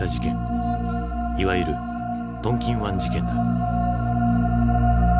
いわゆるトンキン湾事件だ。